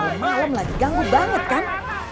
udah malam lagi ganggu banget kan